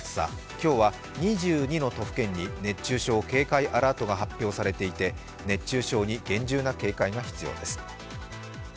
今日は２２の都府県に熱中症警戒アラートが発表されていて熱中症に厳重な警戒が必要です。